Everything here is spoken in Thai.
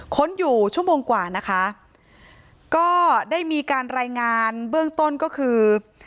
ค้นอยู่ชั่วโมงกว่านะคะก็ได้มีการรายงานเบื้องต้นก็คือ